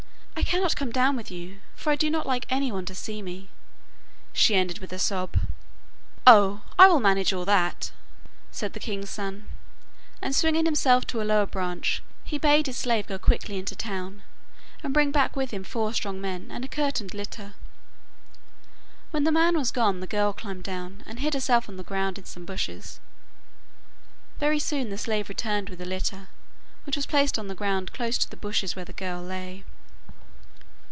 'I cannot come down with you, for I do not like anyone to see me,' she ended with a sob. 'Oh! I will manage all that,' said the king's son, and swinging himself to a lower branch, he bade his slave go quickly into the town, and bring back with him four strong men and a curtained litter. When the man was gone, the girl climbed down, and hid herself on the ground in some bushes. Very soon the slave returned with the litter, which was placed on the ground close to the bushes where the girl lay.